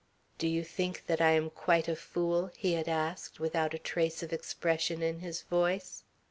"Do you think that I am quite a fool?" he had asked without a trace of expression in his voice.